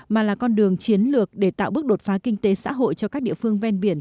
mà là con đường chiến lược để tạo bước đột phá kinh tế xã hội cho các địa phương ven biển